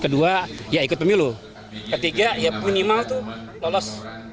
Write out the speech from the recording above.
kedua ya ikut pemilu ketiga ya minimal tuh lolos